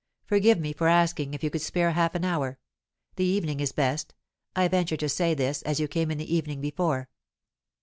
Forgive me for asking if you could spare half an hour. The evening is best; I venture to say this, as you came in the evening before."